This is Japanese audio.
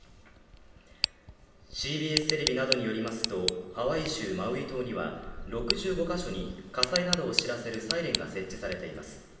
ＣＢＳテレビなどによりますとハワイ州マウイ島には６５か所に火災などを知らせるサイレンが設置されています